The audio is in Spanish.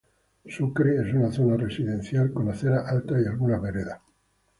Sucre es una zona residencial con aceras altas y algunas veredas.